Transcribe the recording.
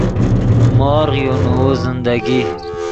مورغ یو نوؤ زندگی